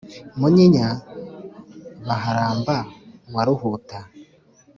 munyinya baharamba wa ruhuta